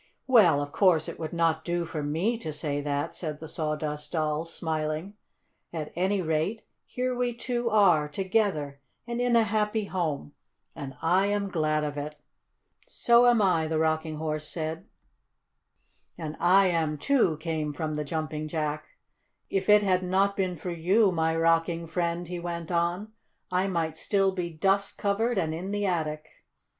"Well, of course it would not do for me to say that," said the Sawdust Doll, smiling. "At any rate, here we two are, together, and in a happy home, and I am glad of it." "So am I," the Rocking Horse said. [Illustration: White Rocking Horse is Glad to See Sawdust Doll Again.] "And I am, too," came from the Jumping Jack. "If it had not been for you, my rocking friend," he went on, "I might be still dust covered and in the attic."